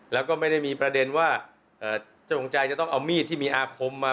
แล้วก็ไม่ได้มีประเด็นว่าเจ้าของใจจะต้องเอามีดที่มีอาคมมา